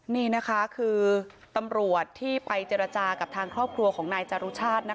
นี่นะคะคือตำรวจที่ไปเจรจากับทางครอบครัวของนายจารุชาติ